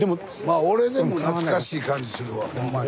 俺でも懐かしい感じするわほんまに。